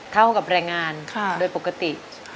เท่ากับแรงงานโดยปกติ